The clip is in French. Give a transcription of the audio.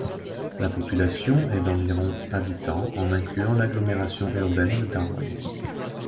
La population est d'environ habitants en incluant l'agglomération urbaine de Darwen.